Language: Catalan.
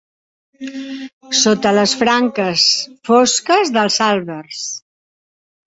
Sota les franques fosques dels àlbers